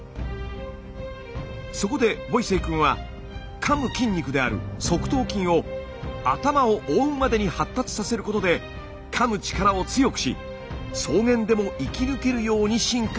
そこでボイセイくんはかむ筋肉である側頭筋を頭を覆うまでに発達させることでかむ力を強くし草原でも生き抜けるように進化したんです。